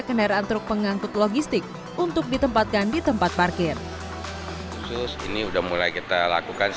kenaraan truk pengangkut logistik untuk ditempatkan di tempat parkir ini sudah mulai terlihat lebih baik